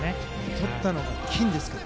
とったのが金ですから。